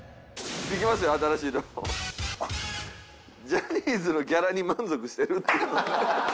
「ジャニーズのギャラに満足してる？」